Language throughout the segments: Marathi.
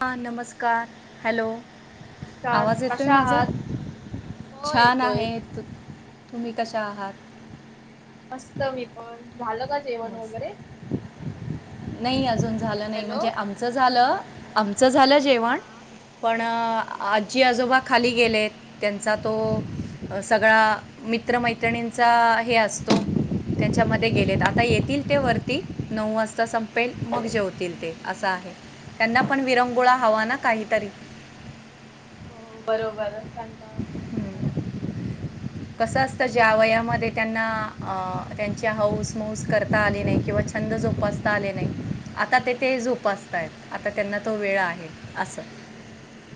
हा नमस्कार हॅलो नमस्कार आवाज येतोय कशा माझा आहात? हो छान येतोय आहेत. तुम्ही कशा आहात मस्त मी पण झालं का जेवण मस्त वगैरे नाही अजून झालं नाही हॅलो म्हणजे आमचं झालं आमचं झालं जेवण हा पण आजी आजोबा खाली गेलेत त्यांचा तो सगळा मित्रमैत्रिणींचा हे असतो त्यांच्यामध्ये गेलेत आता येतील ते वरती नऊज संपेल मग जेवतील ते अस आहे त्यांना पण विरंगुळा हवा ना काहीतरी हो बरोबरच सटाळ येतो घरात बसून बसून कस असत ज्या वयामध्ये त्यांना अ त्यांच्या हऊस मऊस करता आले नाही किंवा छंद जोपासता आले नाही आता ते ते जोपासताय आता त्यांना तो वेळ आहे हा, असं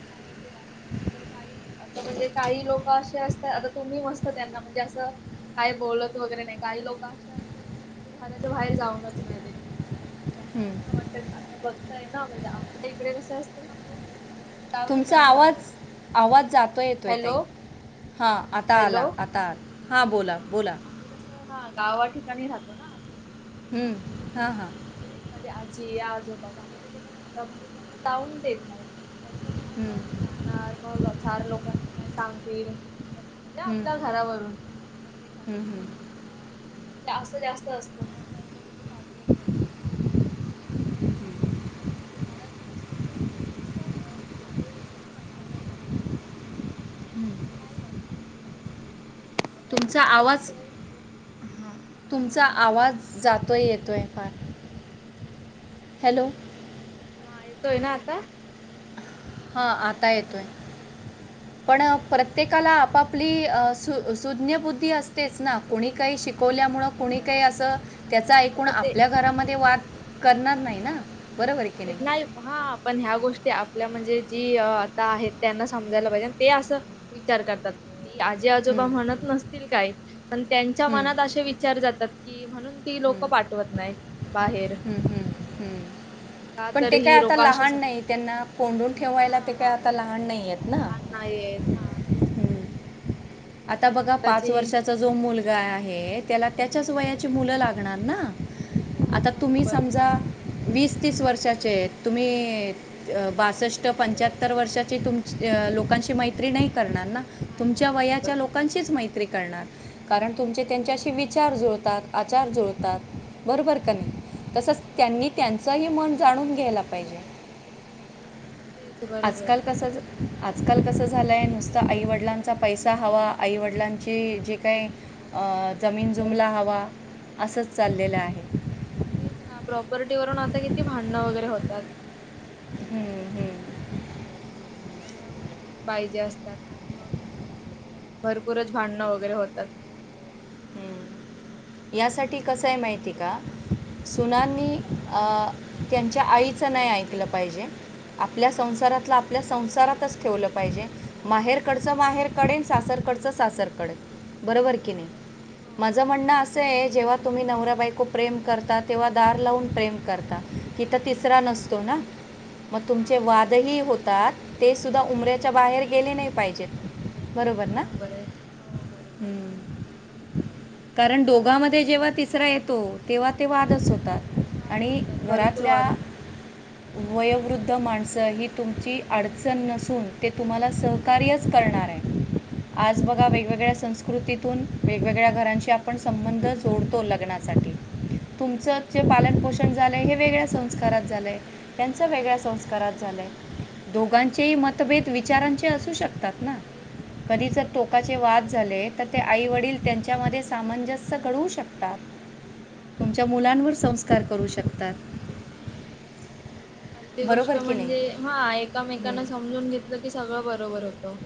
काही ते असं नाही तर काही आता म्हणजे काही लोक असे असतात आता तुम्ही मस्त त्यांना म्हणजे असं काय बोलत वगैरे नाही काय का लोक असे असतात की म्हणजे घराच्या बाहेर जाऊनच मा त्यांना असं हं. वाटत आता बघताय ना म्हणजे आमच्या इकडे कसं असतं सांगून तुमचा आवाज आवाज जातो येतोय तई हॅलो हा आता आला हॅलो आता आ हा आम्ही कस हा गावा ठिकाणी राहतो ना आम्ही हं, आम इथ हां क हां आहे म्हणजे एखादी जी आजोबा बाहेर गेलेलाता म्हणजे त्यांना जाऊन देत नाही त्यांच म्हणणं हं, काय हे जाणार मगचार लोक हना काय सांगतील म्हणजे हं, आपल्या घरावरून आणि मग ते घरात हं, हं, भडण होणार ण असं जास्त असतं मग त्यांना कुठे पाठवत वगैरे नाहीत ते घरात बसून पण त्यांना कस हे होतं ना अंटला वगैरे येतो हं. असं नाही पाहिजे तुमचा आताच आवाज कसं आहे सगळं तुमचा हॅलो आवाज जातोय येतोय फार हॅलो हा येतोय ना आता हा आता येतोय हा पण प्रत्येकाला आपापलीज्य बुद्धी असतेच ना कोणी काही शिकवल्यामुळे कुणी काही अस त्याच ऐकून मग ते आपल्या घरामध्ये वाात ते नाही हा पण ह्या गोष्टी आपल्या म्हणजे जी आता आहेत त्यांना समजायला पाहिजे ते असं विचार करतात आजी आजोबा हं, म्हणत नसतील काय पण त्यांच्या हं, मनात असे विचार जातात की म्हणून ती लोक पाठवत नाही बाहेर हम्म हम्म का पण तर ते काय ही आता लोक अशी लहान सांग नाही त्यांना कोोंडून ठेवायला ते काय हा आता लहान नाही आहेत ना लहान नाही येत तेच ना हं. आता आणि बघा पाच आताची वर्षाचा जो मुलगा आहे त्याला त्याच्याच वयाची मुलं लागणार ना हो आता तुम्ही बरोबर ना समजा वीस वर्षाचे तुम्ही बष्ट पंच्याहतर वर्षाचे तम लोकां म नाही करणार नाही तुमच्या होऊ वया शकत लकां माहित मैत कर कार तुमचे होणार त्यांच्याशी विचार जुळतात आचार जुळतात बरोबर का नाही तसच बरोबर त्यांनी बरोबर त्यांचही मन जाणून घ्यायला पाहिजे हज आजकाल कस आजकाल कसं झालंय नुसत आईवडिलां चा पैसा हवा आई वडिलां जी जे काही प्रॉपर्टी जमीन सर्वे जुमला हवा असंच चाललेलं आहे तेच ना प्रॉपर्टी वरून आता किती भांडणं वगैरे होतात हम्म हम्म सगळ्या गोष्टी पाहिजे असतात आणि मग अ भरपूरच भांडणं वगैरे होतात. यासाठी कसंय माहिती का? सुनांनी हा अ त्यांच्या आईचं नाही ऐकलं पाहिजे. आपल्या संसारातलं आपल्या संसारातच ठेवलं पाहिजे, माहेर कडच हा माहेरकडे अन् सासर सासर कडे बरोबर कि नाही, बरोबर हो माझं बरोबर म्हणंणं बर अस जेव्हा तुम्ही नवरा बायको प्रेम करता तेव्हा दार लावून प्रेम करता. तिथं तिसरा हा नसतो ना, मग तुमचे हा तेच वादही ना होतात, ते सुद्धा उमर्या च्या बाहेर गेले नाही पाहिजे. नाही पाहिजे बरोबर आहे हो बरोबर [inaudible] हम्म. म जेव्हा तिसरा येतो, तेव्हा ते वादच होतात. वाद आणि होतात भरपूर घरातल्या वाद होतात वयोवृद माणसं ही तुमची अडचण नसून ते तुम्हाला सहकार्यच करणार आहे. [inaudible] आज बघा वेगवेगळ्या संस्कृतीतून वेगवेगळ्या घरांशी आपण संबंध जोडतो लग्नासाठी हो तुमचं जे पालन पोष झालंय हे वेगळ्या संस्कारात झालंय. त्यांचं हो वेगळ्या हो संस्कारात झालंय, हा दोघांचेही मतभेद विचारांचे असू शकतात ना, कधी हो जर तेच टोकाचे वाद झाले तर ते आईवडील त्यांच्यामध्ये सामंजस्य घडवू शकतात. हा तुमच्या तेच. मुलांवर संस्कार करू शकतात. आणि पहिली गोष्ट बरोबर की नाही म्हणजे हा हम्म, एकामेकांना समजून घेतलं की सगळं बरं बरोबर होतं.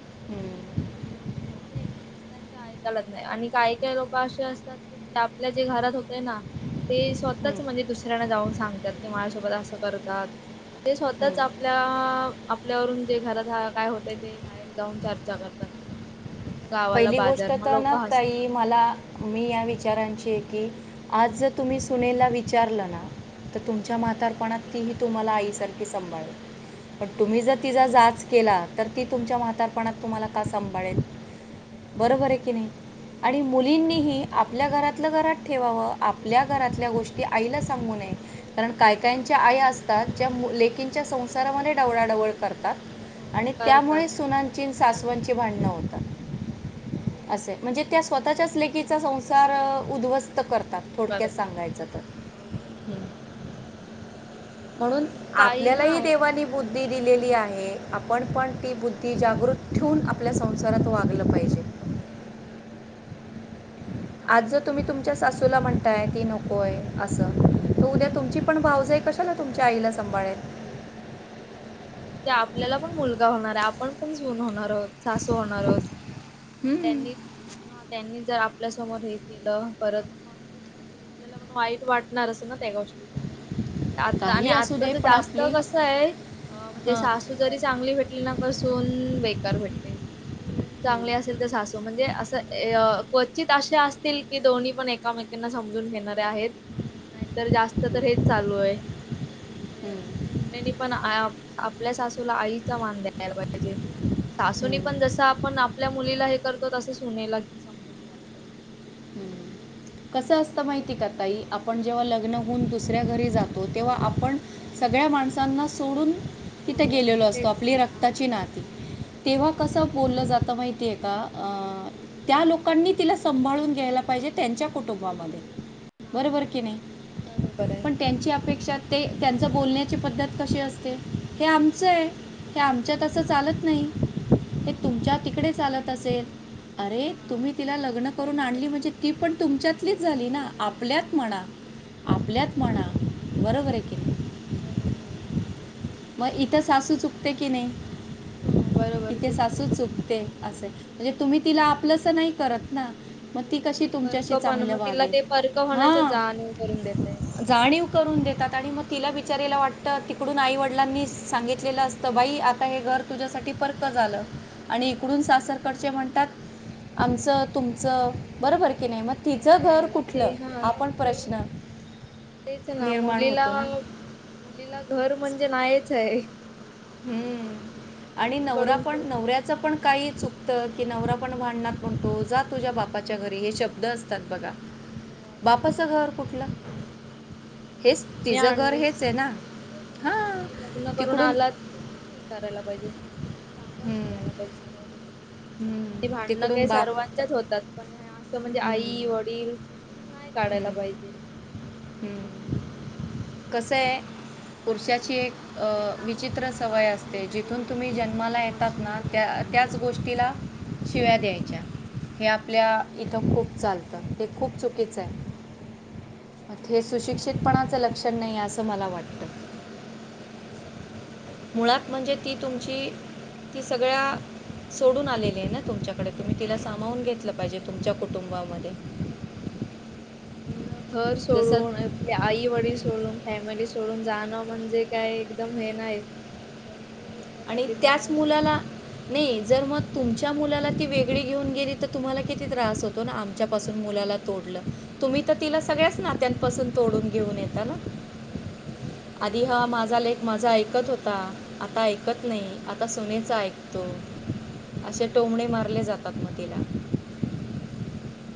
हम्म म्हणजे दुसऱ्यांच ऐकायलाच नाही आणि काही काही लोकं अशे असतात की म्हणजे आपल्या जे घरात होते ना? ते हम्म, स्वतःच म्हणजे दुसऱ्यांना जाऊन सांगतात की माझ्यासोबत असं करतात. म्हणजे स्वतःच हम्म. आपल्या अ आपल्यावरून जे घरात काय होतंय ते बाहेर जाऊन चर्चा करतात. म्हणजे पूर्ण गावाला पहिली गोष्ट बाजार मग तर लोक ना हसणार. ताई मला, मी या विचारां ची की, आज जर तुम्ही सुनेला विचारलं ना तर तुमच्या हा म्हातारपणात ती ही तुम्हाला आईसारखी सांभाळेल, पण हो तुम्ही जर बरोबर तिचा आहे जाच केला तर ती तुमच्या म्हातारपणात तुम्हाला का सांभाळेल? बरोबर आहे की नाही आणि हो बरोबर मुलींनीही, आपल्या घरातलं घरात ठेवावं. आपल्या घरातल्या हा. गोष्टी आईला सांगू नये, कारण काय हा काय च्या आया अस तात ज्या लेकिंच्या संसारामध्ये ढवळाढवळ करताता, हो आणि करतात त्यामुळे सुनांची सासवांची भांडणं होतात. असंय, बरोबर आहे. म्हणजे त्या स्वतःच्याच लेकीचा संसार उद्वस् उध्वस्त करतात. हो हो बरोबरय म्हणून आपल्यालाही देवानी बुद्धी दिलेली आ ए आपण पण ती बुद्धी जागृत ठेवून आपल्या संसारात वागलं पाहिजे. बरोबर आहे. आज जर तुम्ही तुमच्या सासूला म्हणताय की नकोय असं. त उद्या तुमची पण भावजय कशाला तुमच्या आईला सांभाळेल. बरोबर आहे आणि उद्या आपल्याला पण मुलगा होणार आहे आपण पण सुन होणार आहोत. सासू होणार आहोत, हम्म. त्यांनी त्यांनी जर आ आपल्या समोर हे केलं, परत मग आपल्याला पण वाईट वाटणारच ना त्या गोष्टीचा, आता आणि काही असू आत्ता दे ज पण जास्त आपली कस आहे म्हणजे हां सासू जरी चांगली भेटली ना, क सून बेकार भेटते. सून हम्म, चांगले असेल तर सासू म्हणजे असं अ क्वचित असे असतील की दोन्ही पण एकामेकी समजून घेणारे आहेत, नाहीतर जास्त तर हम्म, हेच चालू आहे म्हणजे अ हम्म, सुनेनी पण आपल्या सासूला आईचा मान द्यायला पाहिजे. आणि सासुनी हम्म, पण जस आपण आपल्या मुलीला हे करतो. तसं सुनाला समजून घ्यायला पाहिजे. हम्म कसं असतं. माहिती का ताई आपण जेव्हा लग्न होऊन दुसऱ्या घरी जातो. तेव्हा आपण सगळ्या माणसांना सोडून तिथे सोडून गेलेलो असतो. तेच आपली हा रक्ताची तेच नाती तेव्हा कस तेच बोललं जात, माहितीय का अ त्या लोकांनी तिला सांभाळून घ्यायला पाहिजे. त्यांच्या कुटुंबामध्ये हा बरोबर की नाही. बरोबर आहे. पण त्यांची अपेक्षा ते त्यांचं बोलण्याची पद्धत कशी असते. हे आमचं आहे. हे आमच्यातसं चालत नाही. हा हे तुमच्या तिकडे चालत असेल, अरे, हा तुम्ही तिला लग्न करून बरोबर आणली म्हणजे ती पण तुमच्यातलीच झाली, तुमची ना आपल्यात म्हणा, हा आपल्यात म्हणा, बरोबर आहे बरोबर आहे की नाही? बरोबर आहे. मग इथं, सासू चुकते की नाही. हो बरोबर इथे सासू चुकते चुकते, असे ते. म्हणजे तुम्ही तिला आपलं असं नाही करत ना, मग ती कशी बरोबर परक तुमच्याशी पण चांगल्या मग तिला वागेल ते परक होण्याच हा जाणीव करून देतय जाणीव करून देतात. आणि मग तिला विचारायला वाटतं. तिकडून आई वडील वडिलांनी सांगितलेलं असत. बाई आता हे घर तुझ्यासाठी परक झालं. आणि कडून हो सासर कडचे म्हणतात. आमचं तुमचं बरोबर की नाही. मग हो तिचं मग घर तिला ते कुठलं, हा पण तेच प्रश्न ना तेच ना, निर्माण मुलीला, होतो ना मुलीला घर म्हणजे नाहीच आहे. हम्म आणि नवरा दोन्हीकडून पण असतात. नवऱ्याचं पण काही चुकतं की, नवरा पण भांडणात म्हणतो, जा तुझ्या बापाच्या घरी हे शब्द असतात बघा. हो असतात बापाचं ना घर कुठलं? हेच तुम्ही तिचं घर आणलीस, हेच आहे ना तेच ना तुम्ही लग्न हां करून तिकडून आलात. तु करायला पाहिजे, सांभाळून हम्म. घ्यायला पाहिजे, सगळ्या गोष्टी आणि हं, भांडणं तिकडून काही बाप सर्वाच्याच होतात. पण असं म्हणजे आई हं, वडील नाही काढायला पाहिजे. हम्म, कस आहे. पुरुषाची एक विचित्र सवय असते, जिथून तुम्ही जन्माला येतात. त्याच गोष्टीला शिव्या द्यायच्या. हे, आपल्या इथं खूप चालतं. ते खूप चुकीचं आहे. हे सुशिक्षितपणाचं लक्षण नाही असं मला वाटतं. [inaudible] मुळात म्हणजे ती तुमची ती सगळ्याना सोडून आलेली आहे. ना तुमच्याकडे, आणि तुम्ही तिला हो तेच सामावून ना. घेतलं पाहिजे, तुमच्या कुटुंबामध्ये एवढं घर जसं सोडून, आपली आई वडील सोडून, फॅमिली सोडून, सोडून जाणं, म्हणजे काय एकदम हे नाही. भरपूर आणि त्यासाठी त्याच त्रास मुलाला नाही. जर मग तुमच्या मुलाला ती वेगळी घेऊन गेली. तर तुम्हाला किती किती त्रास होतो. ना मग तेच आमच्यापासून ना मुलाला तोडल, तुम्ही तर हो तिला सगळ्याच नात्यात पासून तोडून घेऊन येत ना, बरोबर आहे आधी ना हा माझा लेक माझं ऐकत. ऐकत होता. आता ऐकत ऐकत नाही. आता सुनेच ऐकतो, असे टोमणे मारले जातात. मग तिला बाद बाद बोलत होते.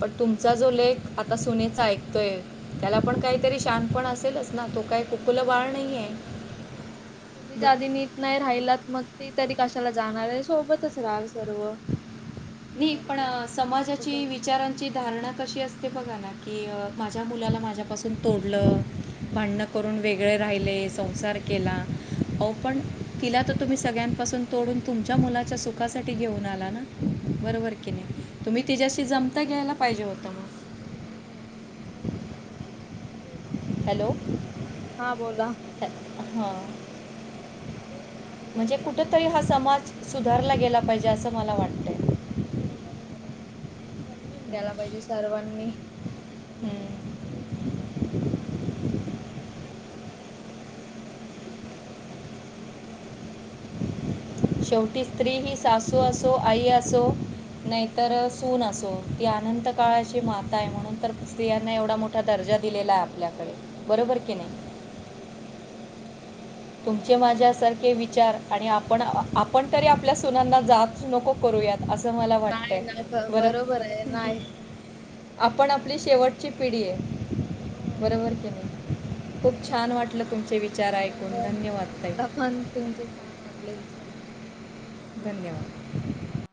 पण तुमचा जो लेक आता सुनेचा ऐकतोय. त्याला पण काहीतरी शान पण असेलच ना, तो काय कुकुलं बाळ नाही आहे तुम्हीच आधी नीट नाही राहिलात. मग ते तरी कशाला जाणार आहे. सोबतच रहा नाही पण, होण्याची जाणीव समाजाची करून देण्यास विचारांची धारणा कशी असते. बघा ना, की माझ्या मुलाला माझ्यापासून तोडलं भांडणं हा करून वेगळे राहिलेस संसार केला अ पण तिला तर तुम्ही सगळ्यांपासून तोडून तुमच्या मुलाच्या सुखासाठी घेऊन आ ना बरोबर हा की नाही तुम्ही बरोबर तीच्याशी जमता घ्यायला पाहिजे होत मग हम हॅलो हा बोला. हां तेच ना म्हणजे बरोबर आहे कुठतरी हा समाज सुधारला गेला पाहिजे असं मला बर काय वाटतंय. हो बरोबर आहे समजून घ्यायला पाहिजे सर्वांनी हं, मुलींना हं. तेच विषय हॅलो शेवटी स्त्री ही सासू असो आई असो नाहीतर सून असो ती अनंत काळाची माता आहे म्हणून तर स्त्रियांना एवढा मोठा दर्जा दिलेला आहे आपल्याकडे हो बरोबर की नाही बरोबर आहे बरोबर आहे तुमचे माझ्यासारखे विचार आणि आपण आपण तरी आपल्या सुनांना जाच नको करूयात असं मला नाही वाटतय ना ख बरं बरोबर आहे नाही. आपण आपली शेवटची पिढी हे हो बरोबर की नाही खूप छान वाटलं तुमचे विचार ऐकू न मला पण तुमचे छान वाटले विषर धन्यवाद